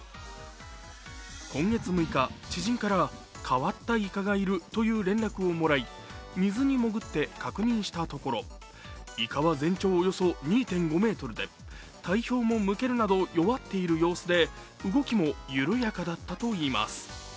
今月６日、知人から変わったいかがいるという連絡をもらい水に潜って確認したところいかは全長およそ２．５ｍで体表もむけるなど弱っている様子で動きも緩やかだったといいます。